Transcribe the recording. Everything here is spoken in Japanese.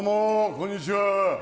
こんにちは。